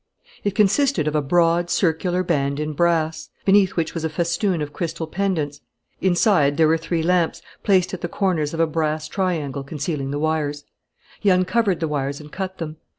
It consisted of a broad, circular band in brass, beneath which was a festoon of crystal pendants. Inside were three lamps placed at the corners of a brass triangle concealing the wires. He uncovered the wires and cut them.